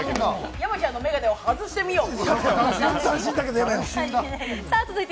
山ちゃんの眼鏡を外してみよう。